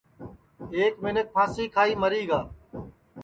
ایک منکھ پھانٚسی کھائی مری گا